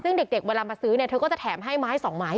ซึ่งเด็กเวลามาซื้อเธอก็จะแถมให้ไม้๒ไม้อยู่แล้ว